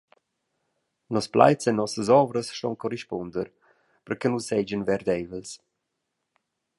Nos plaids e nossas ovras ston corrispunder, per che nus seigien verdeivels.